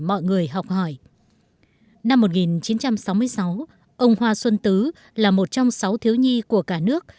ông hoa xuân tứ là một trong sáu thiếu nhi của cả nước